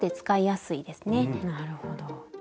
なるほど。